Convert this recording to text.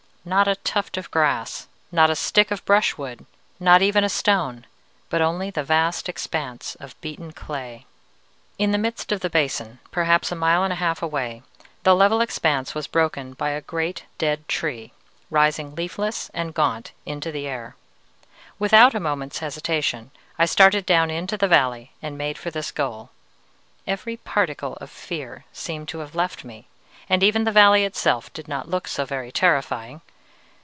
Not a tuft of grass, not a stick of brushwood, not even a stone, but only the vast expanse of beaten clay. "In the midst of the basin, perhaps a mile and a half away, the level expanse was broken by a great dead tree, rising leafless and gaunt into the air. Without a moment's hesitation I started down into the valley and made for this goal. Every particle of fear seemed to have left me, and even the valley itself did not look so very terrifying.